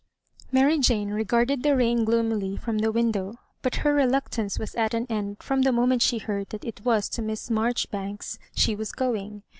Mary Jane regarded the rain gloomily fh>m the window ;^but her reluctance was at an end from the moment she heard ^at it was to Miss Mar joribanks she was going.